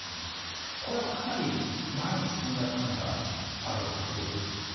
これは、かなり前に進んだ感があるんですがどうでしょう？